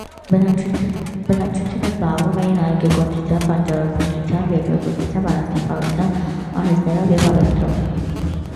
Բնակչությունը զբաղվում էին այգեգործությամբ, բանջարաբուծությամբ, երկրագործությամբ, անանսապահությամբ, արհեստներով և առևտրով։